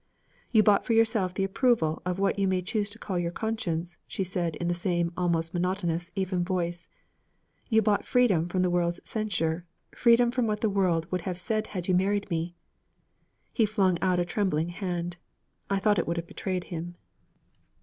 'You bought for yourself the approval of what you may choose to call your conscience,' she said in the same almost monotonous, even voice. 'You bought freedom from the world's censure, freedom from what the world would have said had you married me.' He flung out a trembling hand. I thought it would have betrayed him.